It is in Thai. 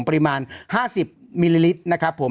ประมาณ๕๐มิลลิลิตรนะครับผม